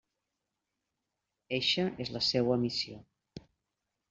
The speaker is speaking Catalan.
Eixa és la seua missió.